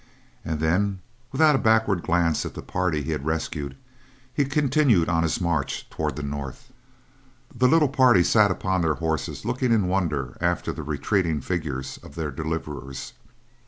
And then, without a backward glance at the party he had rescued, he continued on his march toward the north. The little party sat upon their horses looking in wonder after the retreating figures of their deliverers.